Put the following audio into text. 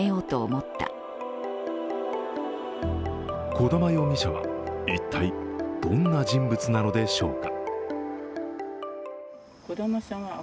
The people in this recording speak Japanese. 小玉容疑者は一体どんな人物なのでしょうか。